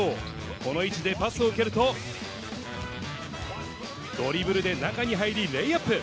この位置でパスを受けると、ドリブルで中に入り、レイアップ。